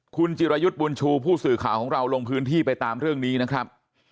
คุณจิรยุทธ์บุญชูผู้สื่อข่าวของเราลงพื้นที่ไปตามเรื่องนี้นะครับ